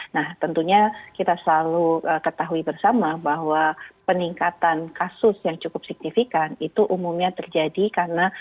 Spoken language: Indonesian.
nah tentunya kita selalu ketahui bersama bahwa peningkatan kasus yang cukup signifikan itu umumnya terjadi karena